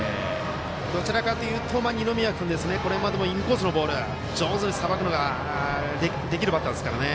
どちらかといいますと二宮君、これまでもインコースのボールを上手にさばくことができるいい勝負ですね。